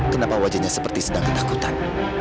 kenapa wajahnya seperti sedang ketakutan